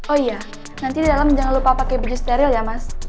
oh iya nanti di dalam jangan lupa pakai biji steril ya mas